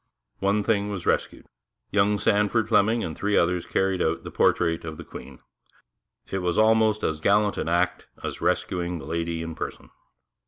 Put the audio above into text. One thing was rescued. Young Sandford Fleming and three others carried out the portrait of the Queen. It was almost as gallant an act as rescuing the Lady in person.